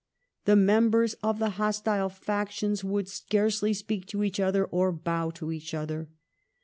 The members of the hostile factions would scarcely speak to each other or bow to each other.